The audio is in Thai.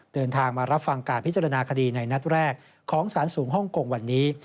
เดินทางมารับฟังการพิจารณาคดีในนัดแรกของสารสูงฮ่องกงวันนี้